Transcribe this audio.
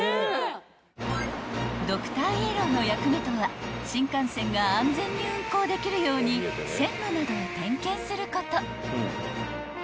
［ドクターイエローの役目とは新幹線が安全に運行できるように線路などを点検すること］